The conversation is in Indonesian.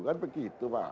kan begitu pak